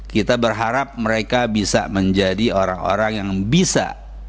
kita berharap mereka bisa menjadi orang orang yang bisa